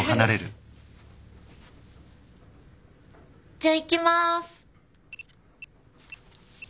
じゃあいきます。